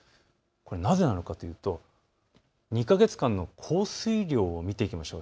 なぜなのかというと２か月間の降水量を見ていきましょう。